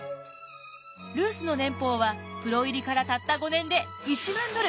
ルースの年俸はプロ入りからたった５年で１万ドル。